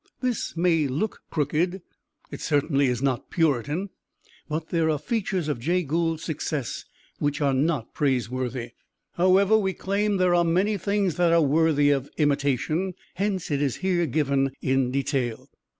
This may look crooked it certainly is not Puritan, but there are features of Jay Gould's success which are not praiseworthy; however, we claim there are many things that are worthy of imitation, hence it is here given in detail.